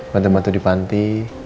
bantu bantu di panti